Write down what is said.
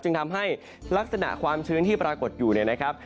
จึงทำให้ลักษณะความชื้นที่ปรากฏอยู่เนี่ยนะครับ